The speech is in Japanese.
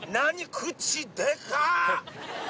口でかっ！